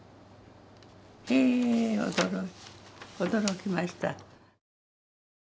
へえ驚きました。